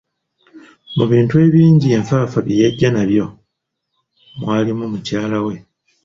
Mu bintu ebingi, enfaafa bye yajja nabyo, mwalimu mukyala we.